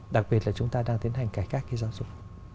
đặc biệt là chúng ta đang tiến hành cải cách cái giáo dục